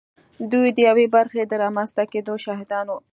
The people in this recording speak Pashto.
دوی د یوې برخې د رامنځته کېدو شاهدان وو